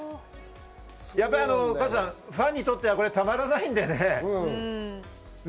加藤さん、ファンにとってはたまらないんでね。